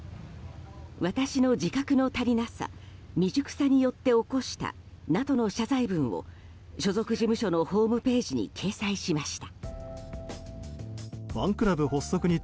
私の自覚の足りなさ未熟さによって起こしたなどの謝罪文を所属事務所のホームページに掲載しました。